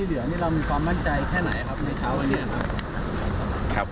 เดี๋ยวรอตรงในห้องเตียงแห่งครับ